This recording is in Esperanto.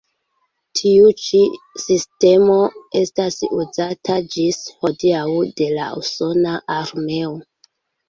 Tiu ĉi sistemo estas uzata ĝis hodiaŭ de la usona armeo.